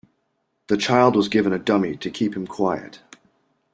The child was given a dummy to keep him quiet